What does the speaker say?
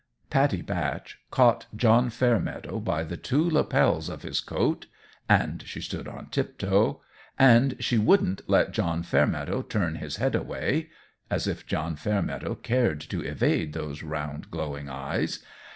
Pattie Batch caught John Fairmeadow by the two lapels of his coat and she stood on tiptoe and she wouldn't let John Fairmeadow turn his head away (as if John Fairmeadow cared to evade those round, glowing eyes!)